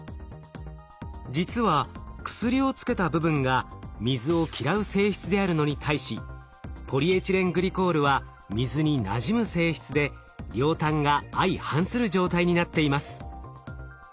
実は薬をつけた部分が水を嫌う性質であるのに対しポリエチレングリコールは水になじむ性質で両端が相反する状態になっています。